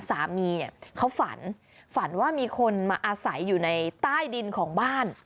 สามีเนี่ยเขาฝันฝันว่ามีคนมาอาศัยอยู่ในใต้ดินของบ้าน